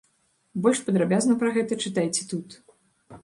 Больш падрабязна пра гэта чытайце тут.